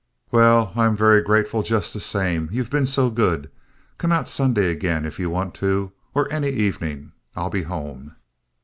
"Well, I am very grateful just the same. You've been so good. Come out Sunday again, if you want to, or any evening. I'll be home."